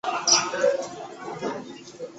卢卡斯可以是一个名字或姓氏。